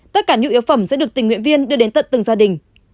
tất cả nhu yếu phẩm sẽ được tình nguyện viên đưa đến tận từng gia đình